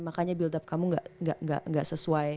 makanya build up kamu gak sesuai